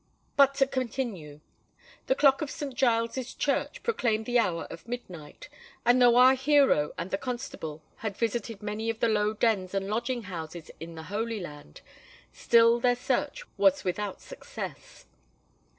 But to continue. The clock of St. Giles's Church proclaimed the hour of midnight; and though our hero and the constable had visited many of the low dens and lodging houses in the Holy Land, still their search was without success.